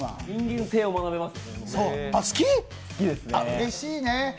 うれしいね。